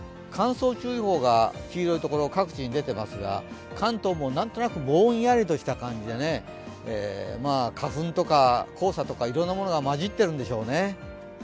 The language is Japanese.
乾燥注意報が黄色いところ、各地に出ていますが関東もなんとなくぼんやりとした感じでね花粉とか黄砂とかいろいろなものが混じってるんでしょうね。